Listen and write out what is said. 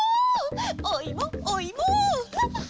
おいもおいも！